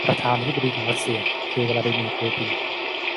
ประธานาธิบดีของรัสเซียคือ วลาดีมีร์ ปูติน